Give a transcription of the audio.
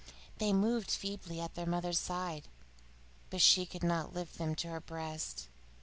They moved feebly at their mother's side, but she could not lift them to her breast.